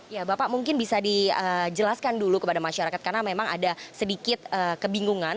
ya bapak mungkin bisa dijelaskan dulu kepada masyarakat karena memang ada sedikit kebingungan